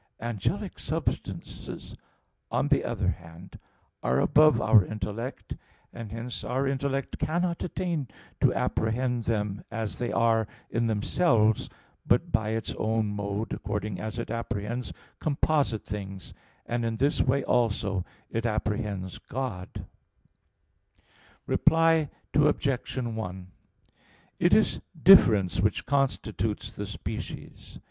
Angelic substances, on the other hand, are above our intellect; and hence our intellect cannot attain to apprehend them, as they are in themselves, but by its own mode, according as it apprehends composite things; and in this way also it apprehends God (Q. 3). Reply Obj. 1: It is difference which constitutes the species.